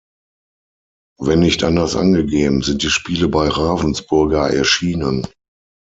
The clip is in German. Wenn nicht anders angegeben, sind die Spiele bei Ravensburger erschienen.